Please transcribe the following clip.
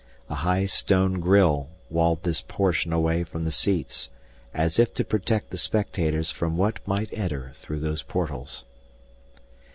A high stone grille walled this portion away from the seats as if to protect the spectators from what might enter through those portals.